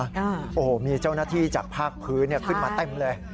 โอ้โหมีเจ้าหน้าที่จากภาคพื้นเนี่ยขึ้นมาเต็มเลย